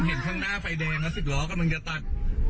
มันเห็นข้างหน้าไฟแดงแล้ว๑๐ล้อคันนั้นมันจะตัด